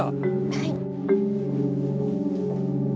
はい。